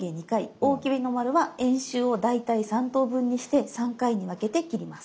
大きめの丸は円周を大体３等分にして３回に分けて切ります。